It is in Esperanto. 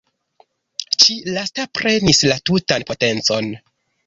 Ĉi lasta prenis la tutan potencon.